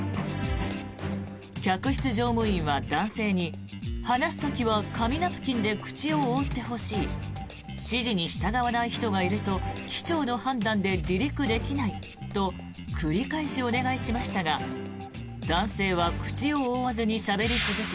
客室乗務員は男性に話す時は紙ナプキンで口を覆ってほしい指示に従わない人がいると機長の判断で離陸できないと繰り返しお願いしましたが男性は口を覆わずにしゃべり続け